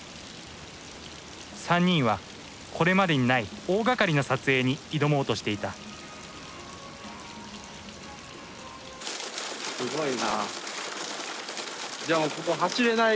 ３人はこれまでにない大がかりな撮影に挑もうとしていたえ。